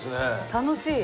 楽しい。